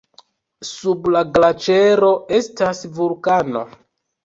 Sub la glaĉero estas vulkano.